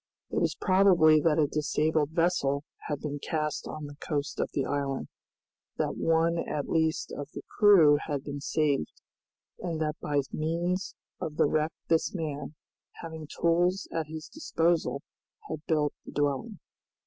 It was probable that a disabled vessel had been cast on the coast of the island, that one at least of the crew had been saved, and that by means of the wreck this man, having tools at his disposal, had built the dwelling.